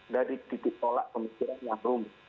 dari titik tolak pemikiran yang rumit